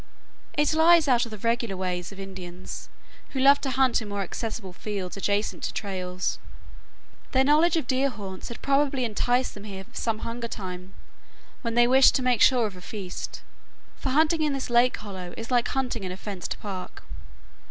It lies out of the regular ways of Indians, who love to hunt in more accessible fields adjacent to trails. Their knowledge of deer haunts had probably enticed them here some hunger time when they wished to make sure of a feast; for hunting in this lake hollow is like hunting in a fenced park.